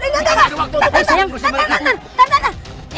tahan tahan tahan tahan tahan tahan tahan